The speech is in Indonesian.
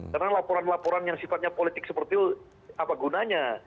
karena laporan laporan yang sifatnya politik seperti itu apa gunanya